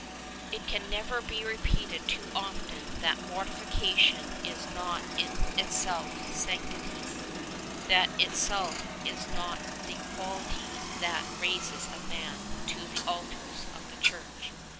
It can never be repeated too often that mortification is not in itself sanctity; that in itself it is not the quality that raises a man to the altars of the Church.